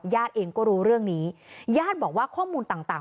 เองก็รู้เรื่องนี้ญาติบอกว่าข้อมูลต่าง